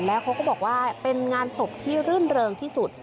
แล้วเขาก็บอกว่าเป็นงานศพที่รื่นเริงที่สุด